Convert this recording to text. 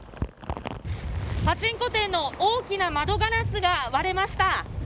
パチンコ店の大きな窓ガラスが割れました。